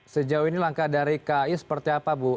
sejauh ini langkah dari kai seperti apa bu